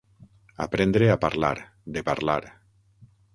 Aprendre a parlar, de parlar.